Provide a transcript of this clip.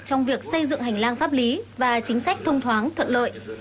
trong việc xây dựng hành lang pháp lý và chính sách thông thoáng thuận lợi